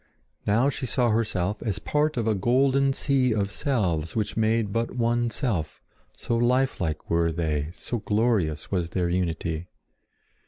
Now she saw herself as part of a golden sea of selves which made but one self, so lifelike were they, so glorious was their unity.